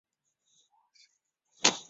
祖父洪长庚是台湾首位眼科博士。